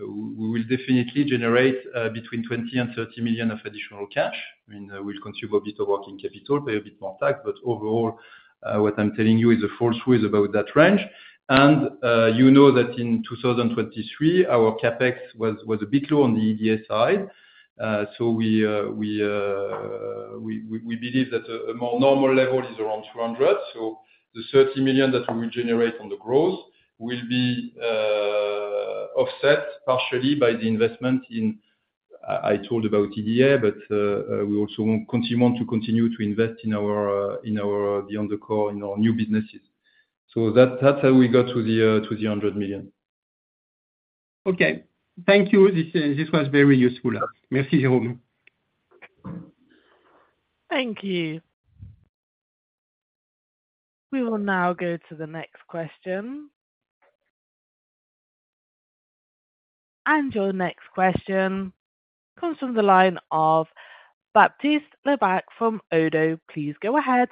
we will definitely generate between $20 million and $30 million of additional cash. I mean, we'll consume a bit of working capital, pay a bit more tax, but overall, what I'm telling you is a full truth about that range. And you know that in 2023, our CapEx was a bit low on the EDA side. So, we believe that a more normal level is around $200 million. So, the $30 million that we generate on the growth will be offset partially by the investment in. I told about EDA, but we also want to continue to invest in our beyond the core, in our new businesses. So that's how we got to the $100 million. Okay. Thank you. This, this was very useful. Merci, Jérôme. Thank you. We will now go to the next question. Your next question comes from the line of Baptiste Lebacq from Oddo. Please go ahead.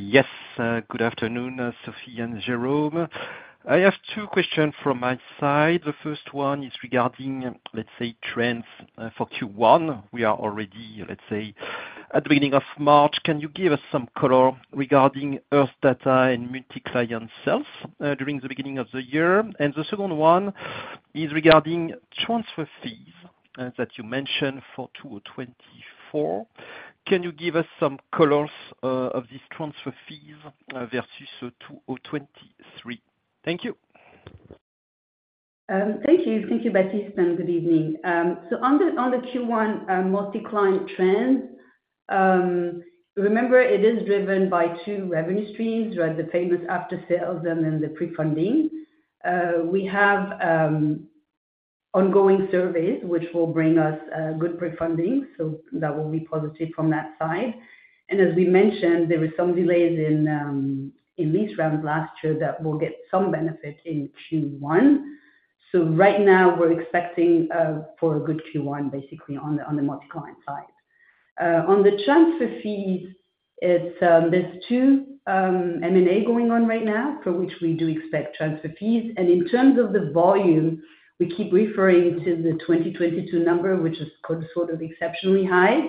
Yes. Good afternoon, Sophie and Jérôme. I have two questions from my side. The first one is regarding, let's say, trends for Q1. We are already, let's say, at the beginning of March, can you give us some color regarding Earth Data and multi-client sales during the beginning of the year? And the second one is regarding transfer fees that you mentioned for 2024. Can you give us some colors of these transfer fees versus 2023? Thank you. Thank you. Thank you, Baptiste. Good evening. So, on the Q1 multi-client trends, remember, it is driven by two revenue streams, right? The payments after sales and then the pre-funding. We have ongoing surveys, which will bring us good pre-funding, so that will be positive from that side. And as we mentioned, there were some delays in lease rounds last year that will get some benefit in Q1. So, right now, we're expecting for a good Q1, basically, on the multi-client side. On the transfer fees, it's, there's two M&A going on right now, for which we do expect transfer fees. And in terms of the volume, we keep referring to the 2022 number, which is considered exceptionally high,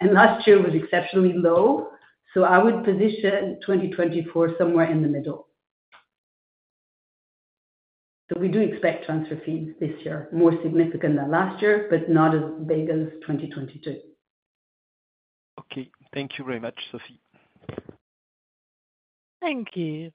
and last year was exceptionally low. I would position 2024 somewhere in the middle. We do expect transfer fees this year, more significant than last year, but not as big as 2022. Okay. Thank you very much, Sophie. Thank you.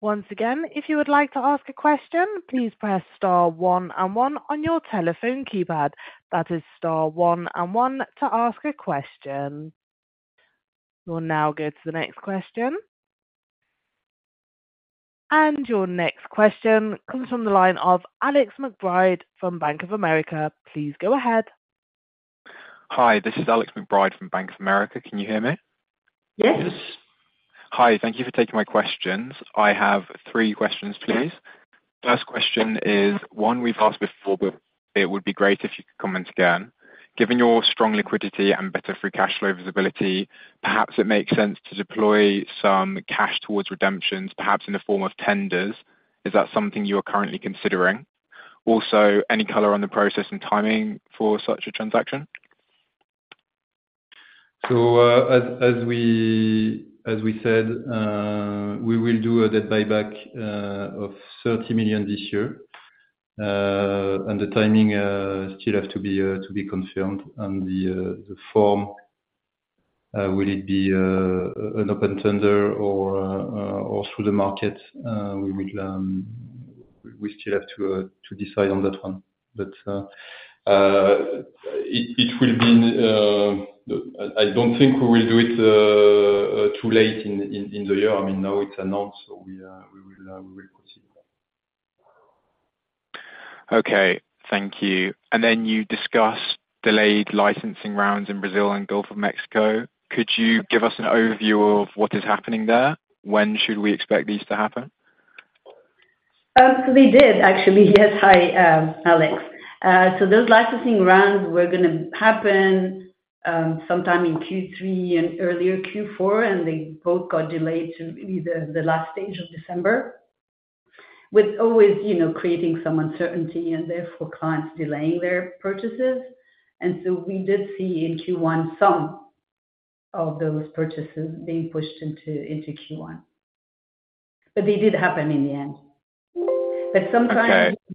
Once again, if you would like to ask a question, please press * 1 and 1 on your telephone keypad. That is * 1 and 1 to ask a question. We'll now go to the next question. Your next question comes from the line of Kevin Roger from Bank of America. Please go ahead. Hi, this is Kevin Roger from Bank of America. Can you hear me? Yes. Hi, thank you for taking my questions. I have three questions, please. First question is one we've asked before, but it would be great if you could comment again. Given your strong liquidity and better free cash flow visibility, perhaps it makes sense to deploy some cash towards redemptions, perhaps in the form of tenders. Is that something you are currently considering? Also, any color on the process and timing for such a transaction? As we said, we will do a debt buyback of $30 million this year. And the timing still has to be confirmed. And the form, will it be an open tender or through the market? We still have to decide on that one. But it will be... I don't think we will do it too late in the year. I mean, now it's announced, so we will proceed. Okay, thank you. And then you discussed delayed licensing rounds in Brazil and Gulf of Mexico. Could you give us an overview of what is happening there? When should we expect these to happen? So, they did, actually. Yes. Hi, Alex. So those licensing rounds were gonna happen, sometime in Q3 and earlier Q4, and they both got delayed to the last stage of December. With always, you know, creating some uncertainty and therefore clients delaying their purchases. And so, we did see in Q1, some of those purchases being pushed into Q1. But they did happen in the end. But sometimes- Okay.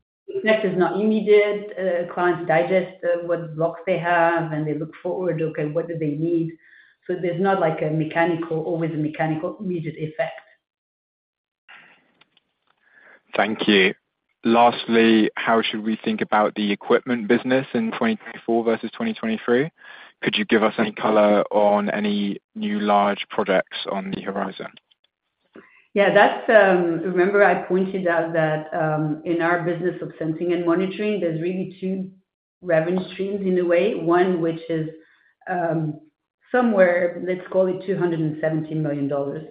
effect is not immediate. Clients digest what blocks they have, and they look forward, okay, what do they need? So, there's not like a mechanical, always a mechanical immediate effect. Thank you. Lastly, how should we think about the equipment business in 2024 versus 2023? Could you give us any color on any new large products on the horizon? Yeah, that's. Remember I pointed out that, in our business of sensing and monitoring, there's really two revenue streams in a way. One, which is, somewhere, let's call it $270 million,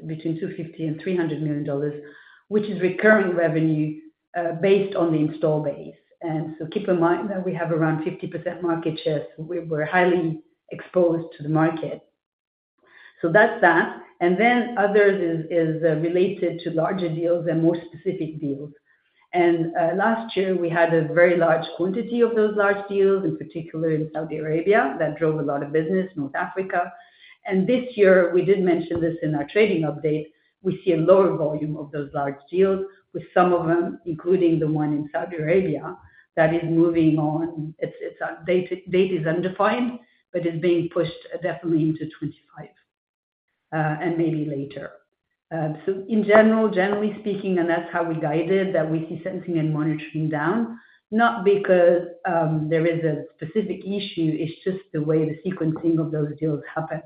between $250 million and $300 million, which is recurring revenue, based on the install base. And so, keep in mind that we have around 50% market share, so we're highly exposed to the market. So that's that. And then others are, related to larger deals and more specific deals. And, last year, we had a very large quantity of those large deals, in particular in Saudi Arabia, that drove a lot of business, North Africa. This year, we did mention this in our trading update. We see a lower volume of those large deals, with some of them, including the one in Saudi Arabia, that is moving on. Its date is undefined, but it's being pushed definitely into 2025 and maybe later. So, in general, generally speaking, and that's how we guided, that we see Sensing and Monitoring down, not because there is a specific issue. It's just the way the sequencing of those deals happens.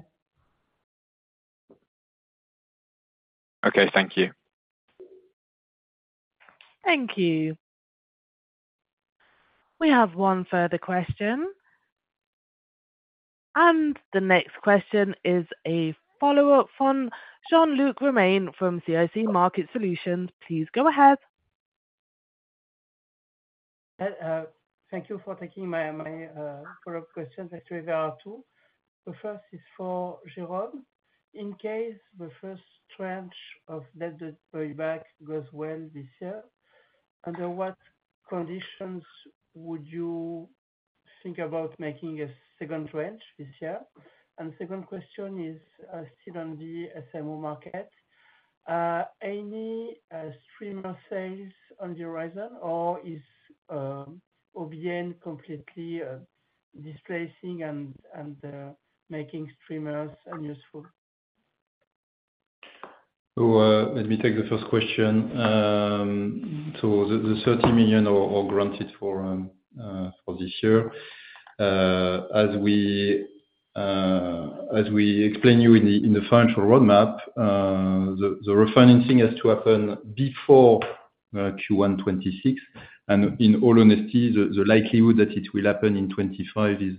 Okay, thank you. Thank you. We have one further question. The next question is a follow-up from Jean-Luc Romain from CIC Market Solutions. Please go ahead. Thank you for taking my follow-up question. Actually, there are two. The first is for Jérôme. In case the first tranche of debt, the buyback goes well this year-... under what conditions would you think about making a second tranche this year? And second question is, still on the SMO market. Any streamer sales on the horizon, or is OBN completely displacing and making streamers unuseful? Let me take the first question. So, the $30 million are granted for this year. As we explain you in the financial roadmap, the refinancing has to happen before Q1 2026. And in all honesty, the likelihood that it will happen in 25 is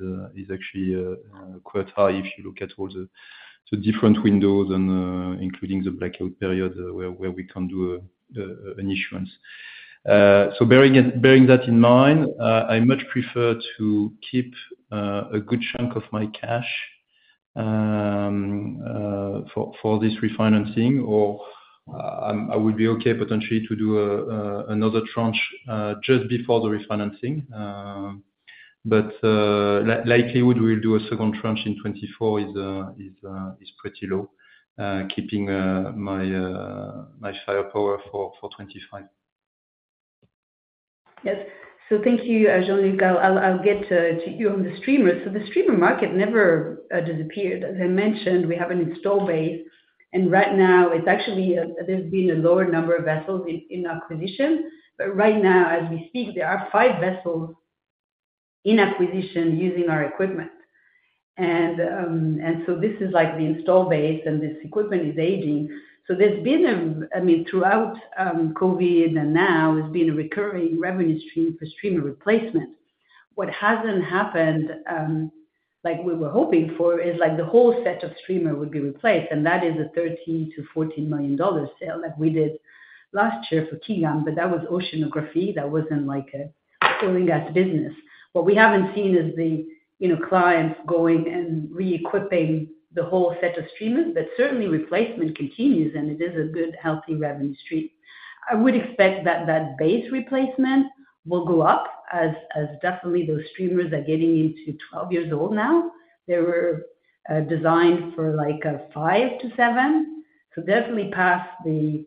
actually quite high if you look at all the different windows and including the blackout period, where we can't do an issuance. So, bearing that in mind, I much prefer to keep a good chunk of my cash for this refinancing, or I would be okay potentially to do another tranche just before the refinancing. Likelihood we'll do a second tranche in 2024 is pretty low, keeping my firepower for 2025. Yes. So, thank you, Jean-Luc. I'll get to you on the streamer. So, the streamer market never disappeared. As I mentioned, we have an install base, and right now it's actually there's been a lower number of vessels in acquisition. But right now, as we speak, there are five vessels in acquisition using our equipment. And so, this is like the install base, and this equipment is aging. So, there's been a recurring revenue stream for streamer replacement. I mean, throughout COVID and now, there's been a recurring revenue stream for streamer replacement. What hasn't happened, like we were hoping for, is like the whole set of streamers would be replaced, and that is a $13 million-$14 million sale like we did last year for KIGAM, but that was oceanography. That wasn't like an oil and gas business. What we haven't seen is the, you know, clients going and reequipping the whole set of streamers, but certainly replacement continues, and it is a good, healthy revenue stream. I would expect that that base replacement will go up, as definitely those streamers are getting into 12 years old now. They were designed for, like, 5-7, so definitely past the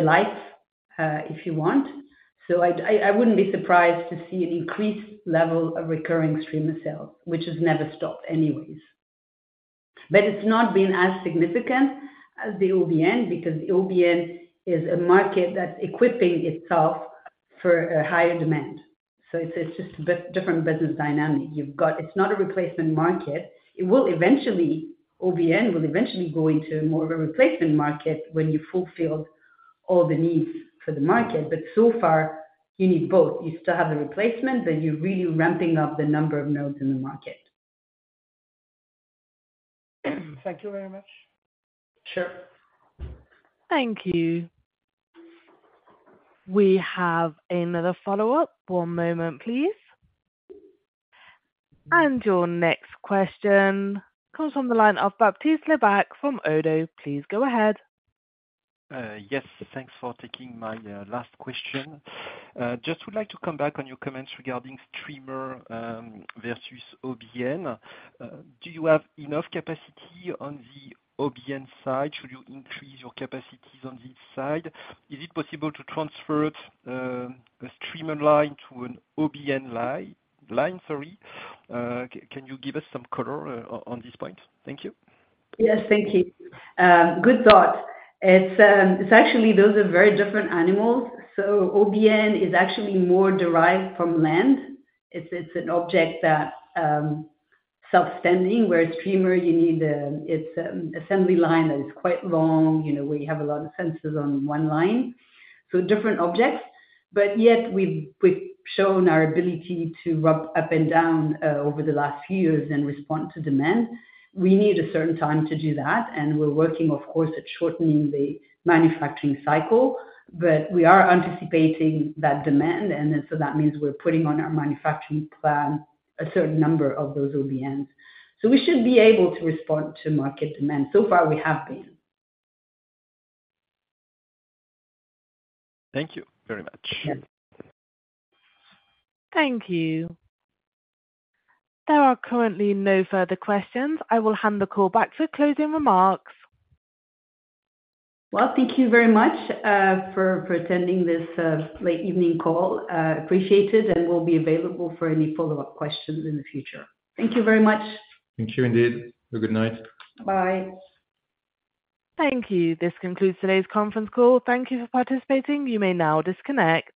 life, if you want. So, I wouldn't be surprised to see an increased level of recurring streamer sales, which has never stopped anyways. But it's not been as significant as the OBN, because OBN is a market that's equipping itself for a higher demand. So, it's just a bit different business dynamic. You've got... It's not a replacement market. It will eventually, OBN will eventually go into more of a replacement market when you fulfill all the needs for the market. But so far, you need both. You still have the replacement, but you're really ramping up the number of nodes in the market. Thank you very much. Sure. Thank you. We have another follow-up. One moment, please. Your next question comes from the line of Baptiste Lebacq from Oddo. Please go ahead. Yes, thanks for taking my last question. Just would like to come back on your comments regarding streamer versus OBN. Do you have enough capacity on the OBN side? Should you increase your capacities on this side? Is it possible to transfer a streamer line to an OBN line, sorry? Can you give us some color on this point? Thank you. Yes, thank you. Good thought. It's, it's actually, those are very different animals. So, OBN is actually more derived from land. It's, it's an object that, self-standing, where streamer you need, it's, assembly line that is quite long, you know, where you have a lot of sensors on one line, so different objects. But yet we've, we've shown our ability to ramp up and down over the last few years and respond to demand. We need a certain time to do that, and we're working, of course, at shortening the manufacturing cycle. But we are anticipating that demand, and then so that means we're putting on our manufacturing plan, a certain number of those OBNs. So, we should be able to respond to market demand. So far, we have been. Thank you very much. Yes. Thank you. There are currently no further questions. I will hand the call back for closing remarks. Well, thank you very much for attending this late evening call. Appreciate it, and we'll be available for any follow-up questions in the future. Thank you very much. Thank you indeed. Have a good night. Bye. Thank you. This concludes today's conference call. Thank you for participating. You may now disconnect.